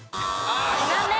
残念。